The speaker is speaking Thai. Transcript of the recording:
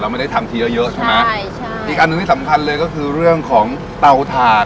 ไม่ได้ทำทีเยอะเยอะใช่ไหมใช่ใช่อีกอันหนึ่งที่สำคัญเลยก็คือเรื่องของเตาถ่าน